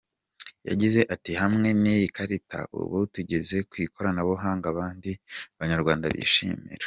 Yagize ati “ Hamwe n’iyi karita, ubu tugeze ku ikoranabuhanga abandi banyarwanda bishimira”.